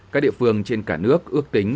các địa phương trên cả nước ước tính